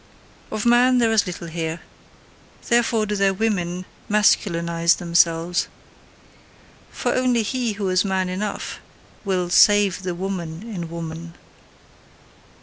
Of man there is little here: therefore do their women masculinise themselves. For only he who is man enough, will SAVE THE WOMAN in woman.